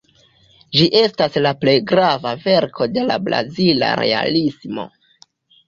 Ĝi estas la plej grava verko de la brazila Realismo.